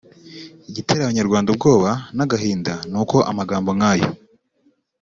Igitera abanyarwanda ubwoba n’agahinda nuko amagambo nkayo